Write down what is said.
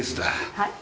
はい？